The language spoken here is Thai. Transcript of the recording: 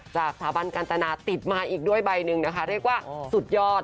สถาบันการจนาติดมาอีกด้วยใบหนึ่งนะคะเรียกว่าสุดยอด